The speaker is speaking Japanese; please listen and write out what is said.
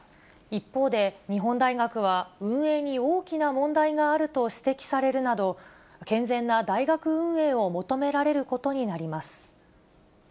一方で、日本大学は運営に大きな問題があると指摘されるなど、健全な大学運営を求められることになります。